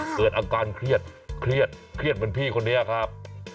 เกิดอาการเครียดเครียดเครียดเหมือนพี่คนนี้ครับ